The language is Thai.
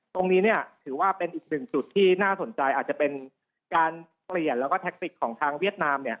ตรงนี้ถือว่าเป็นอีกหนึ่งจุดที่น่าสนใจอาจจะเป็นการเปลี่ยนแล้วก็แท็กติกของทางเวียดนาม